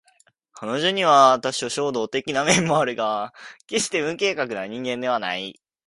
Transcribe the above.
彼女には多少衝動的な面もあるが決して無計画な人間ではない